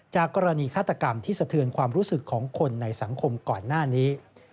จากกรณีฆาตกรรมที่สะเทือนความรู้สึกของคนในสังคมก่อนหน้านี้